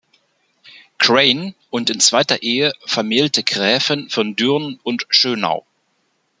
Crane und in zweiter Ehe vermählte Gräfin von Dyhrn und Schönau.